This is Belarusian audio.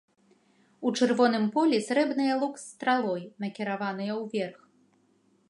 У чырвоным полі срэбныя лук з стралой, накіраваныя ўверх.